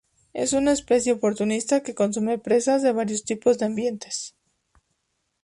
Es una especie oportunista que consume presas de varios tipos de ambientes.